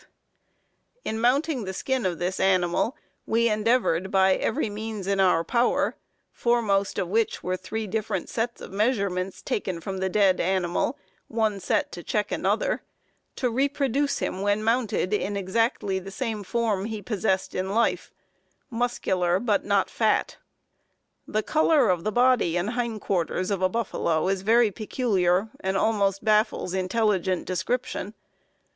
] In mounting the skin of this animal, we endeavored by every means in our power, foremost of which were three different sets of measurements, taken from the dead animal, one set to check another, to reproduce him when mounted in exactly the same form he possessed in life muscular, but not fat. The color of the body and hindquarters of a buffalo is very peculiar, and almost baffles intelligent description.